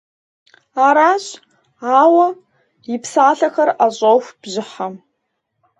Аращ, ауэ… – и псалъэхэр ӏэщӏоху бжьыхьэм.